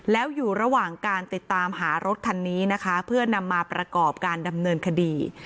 แล้วอยู่ระหว่างการติดตามหารถคันนี้นะคะเพื่อนำมาประกอบการดำเนินคดี